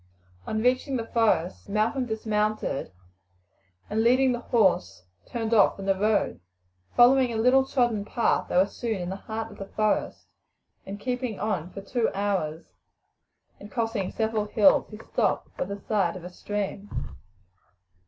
On reaching the forest Malcolm dismounted, and leading the horse turned off from the road. Following a little trodden path they were soon in the heart of the forest, and after keeping on for two hours, and crossing several hills, he stopped by the side of a stream.